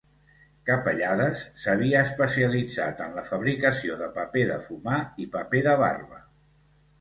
Capellades s'havia especialitzat en la fabricació de paper de fumar i paper de barba.